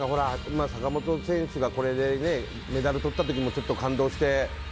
坂本選手がこれでメダルとった時もちょっと感動して。